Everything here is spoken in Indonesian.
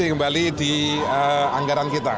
kembali di anggaran kita